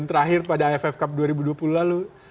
terakhir pada aff cup dua ribu dua puluh lalu